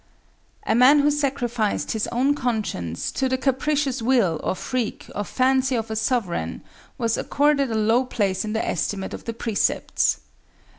A man who sacrificed his own conscience to the capricious will or freak or fancy of a sovereign was accorded a low place in the estimate of the Precepts.